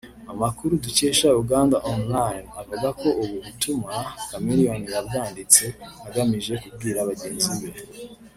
Amakuru dukesha Uganda online avuga ko ubu butumwa Chameleone yabwanditse agamije kubwira bagenzi be